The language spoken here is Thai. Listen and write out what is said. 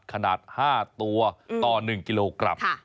ขนาด๕ตัวต่อ๑กิโลกรัม